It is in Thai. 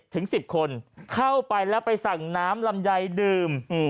ถึง๑๐คนเข้าไปแล้วไปสั่งน้ำลำไยดื่ม